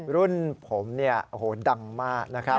รุ่นผมเนี่ยโอ้โหดังมากนะครับ